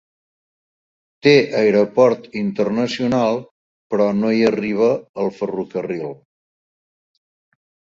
Té aeroport internacional però no hi arriba el ferrocarril.